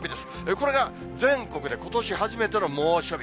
これが全国でことし初めての猛暑日。